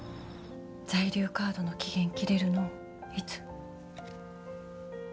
在留カードの期限切れるのいつ？